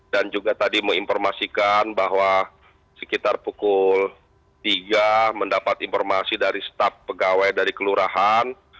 dan juga tadi menginformasikan bahwa sekitar pukul tiga mendapat informasi dari staf pegawai dari kelurahan